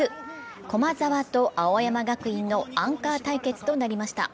駒沢と青山学院のアンカー対決となりました。